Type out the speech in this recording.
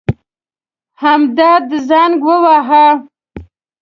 همدرد زنګ وواهه.